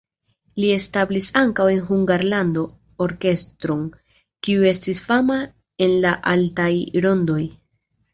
Li establis ankaŭ en Hungarlando orkestron, kiu estis fama en la altaj rondoj.